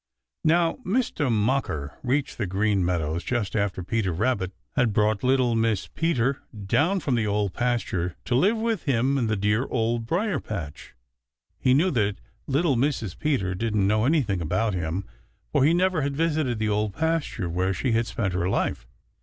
Now Mistah Mocker reached the Green Meadows just after Peter Rabbit had brought little Mrs. Peter down from the Old Pasture to live with him in the dear Old Briar patch. He knew that little Mrs. Peter didn't know anything about him, for he never had visited the Old Pasture where she had spent her life.